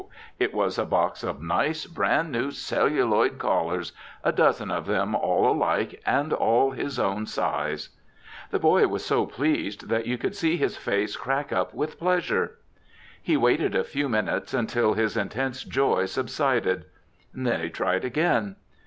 It was a box of nice, brand new celluloid collars, a dozen of them all alike and all his own size. The boy was so pleased that you could see his face crack up with pleasure. He waited a few minutes until his intense joy subsided. Then he tried again.